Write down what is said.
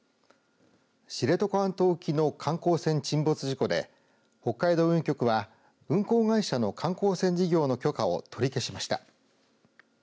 知床半島沖の観光船沈没事故で北海道運輸局は運航会社の観光船事業の許可を取り消しました。